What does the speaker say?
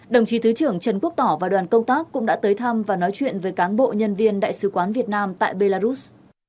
đồng chí thứ trưởng trần quốc tỏ và đoàn công tác cũng đã tới thăm và nói chuyện với cán bộ nhân viên đại sứ quán việt nam tại belarus